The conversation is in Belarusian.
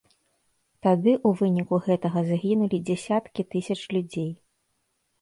Тады ў выніку гэтага загінулі дзясяткі тысяч людзей.